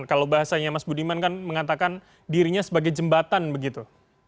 kalau bahasanya mas budiman kan mengatakan dirinya sebagai jembatan begitu